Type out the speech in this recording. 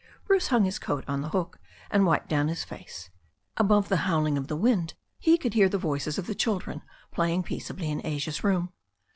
Bruce hung his coat on the door, and wiped down his face. Above the howling of the wind he could hear the voices of the children playing peaceably in Asia's room.